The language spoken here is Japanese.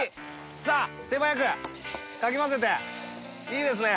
さあ手早くかき混ぜていいですね